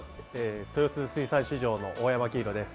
豊洲水産市場の大山晃弘です。